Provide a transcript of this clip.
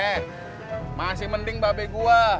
eh masih mending babek gue